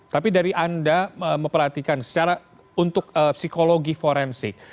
tapi dari anda memperhatikan secara untuk psikologi forensik